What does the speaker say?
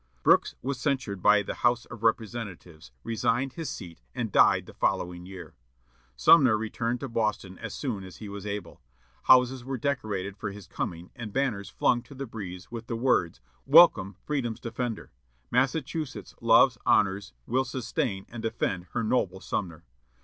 Brooks was censured by the House of Representatives, resigned his seat, and died the following year. Sumner returned to Boston as soon as he was able. Houses were decorated for his coming, and banners flung to the breeze with the words, "Welcome, Freedom's Defender," "Massachusetts loves, honors, will sustain and defend her noble SUMNER."